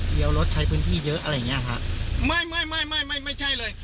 เลี้ยวรถใช้พื้นที่เยอะอะไรไงครับไม่ไม่ใช่เลย